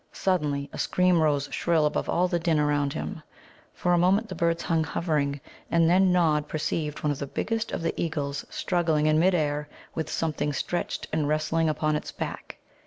Suddenly a scream rose shrill above all the din around him. For a moment the birds hung hovering, and then Nod perceived one of the biggest of the eagles struggling in mid air with something stretched and wrestling upon its back.